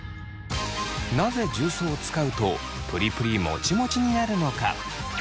なぜ重曹を使うとプリプリもちもちになるのか。